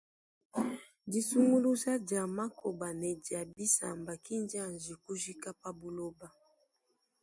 Disunguluja dia makoba ne dia bisamba kindianji kujika pa buloba.